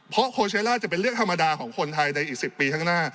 เพราะโคเชล่าจะเป็นเรื่องธรรมดาของคนไทยในอีก๑๐ปีข้างหน้า